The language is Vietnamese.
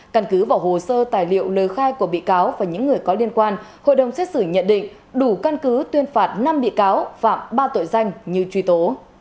căn cứ vào hồ sơ tài liệu lời khai của bị cáo và những người có liên quan hội đồng xét xử nhận định đủ căn cứ tuyên phạt năm bị cáo phạm ba tội danh như truy tố